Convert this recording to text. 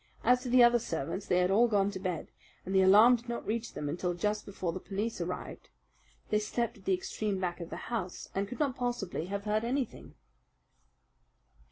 As to the other servants, they had all gone to bed, and the alarm did not reach them until just before the police arrived. They slept at the extreme back of the house, and could not possibly have heard anything.